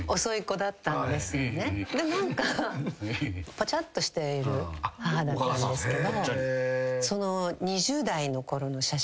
何かぽちゃっとしている母だったんですけど。